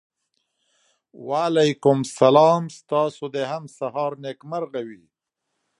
وعلیکم سلام ستاسو د هم سهار نېکمرغه وي.